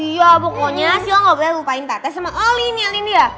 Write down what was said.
iya pokoknya sila gak peduli lupain tete sama olin ya olin dia